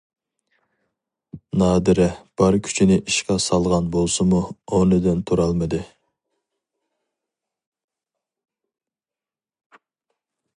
نادىرە بار كۈچىنى ئىشقا سالغان بولسىمۇ ئورنىدىن تۇرالمىدى.